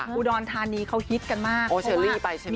อูดอลธานีเขาฮิตกันมากนี้ไปใช่ไหม